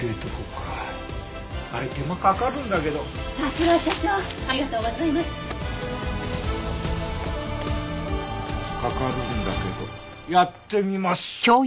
かかるんだけどやってみます！